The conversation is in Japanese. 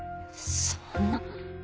そんな。